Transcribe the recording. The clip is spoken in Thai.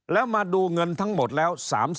แล้วมาดูเงินทั้งหมดแล้ว